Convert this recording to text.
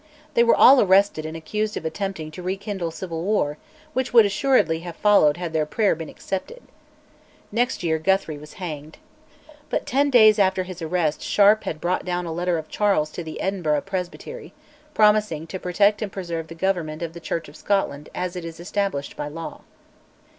They were all arrested and accused of attempting to "rekindle civil war," which would assuredly have followed had their prayer been accepted. Next year Guthrie was hanged. But ten days after his arrest Sharp had brought down a letter of Charles to the Edinburgh Presbytery, promising to "protect and preserve the government of the Church of Scotland as it is established by law."